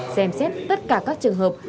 xem xét tất cả các trường hợp